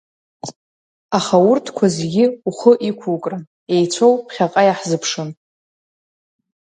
Аха урҭқәа зегьы ухы иқәукрын, еицәоу ԥхьаҟа иаҳзыԥшын…